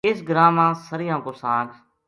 اس گراں ما سریاں کو ساگ